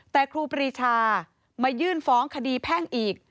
แต่ครูปรีชามายื่นฟ้องคดีแพ่งอีก